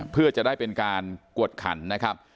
เพื่อจะได้เป็นการกวดขันนะครับ